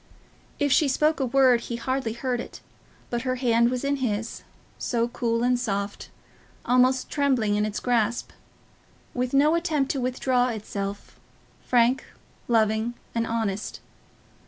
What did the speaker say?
If she spoke a word he hardly heard it, but her hand was in his, so cool and soft, almost trembling in its grasp, with no attempt to withdraw itself, frank, loving, and honest.